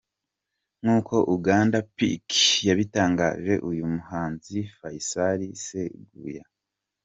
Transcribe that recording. Nk’uko ugandapick yabitangaje, uyu muhanzi Faisal Sseguya a.